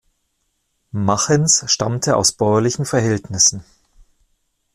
Machens stammte aus bäuerlichen Verhältnissen.